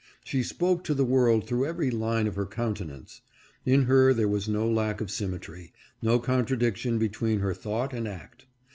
She spoke to the world through every line of her countenance. In her there was no lack of symmetry — no contradiction between her thought and act.